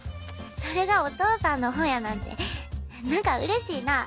それがお父さんの本やなんてなんかうれしいなぁ。